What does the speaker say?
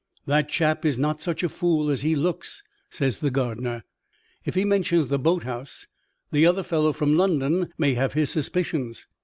'That chap is not such a fool as he looks,' says the gardener. 'If he mentions the boat house, the other fellow from London may have his suspicions.